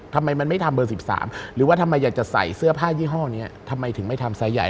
ทำไมมันไม่ทำเบอร์๑๓หรือว่าทำไมอยากจะใส่เสื้อผ้ายี่ห้อนี้ทำไมถึงไม่ทำไซส์ใหญ่